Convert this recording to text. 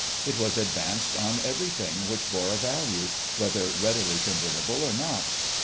It was advanced on everything which bore a value, whether readily convertible, or not.